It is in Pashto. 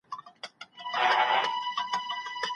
مثبت معلومات د فکرونو د سمون لپاره دي.